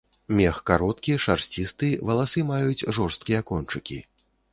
Мех кароткі, шарсцісты, валасы маюць жорсткія кончыкі.